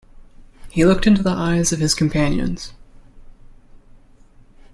He looked into the eyes of his companions.